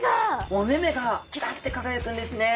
お目目がキラッて輝くんですね。